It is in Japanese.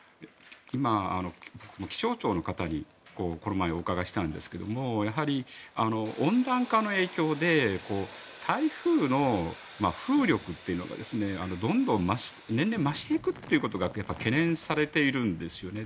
気象庁の方にこの前、お伺いしたんですけどやはり温暖化の影響で台風の風力というのがどんどん年々増していくということが懸念されているんですよね。